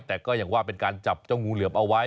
แต่ก็อย่างว่าเป็นการจับเจ้างูเหลือมเอาไว้